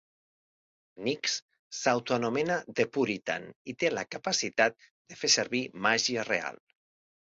Nix s'autoanomena "The Puritan" i té la capacitat de fer servir màgia real.